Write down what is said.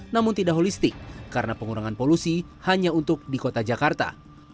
namun tidak holistik karena pengurangan polusi hanya untuk di kota jakarta